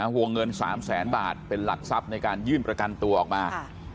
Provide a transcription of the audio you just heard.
วงเงิน๓แสนบาทเป็นหลักทรัพย์ในการยื่นประกันตัวออกมา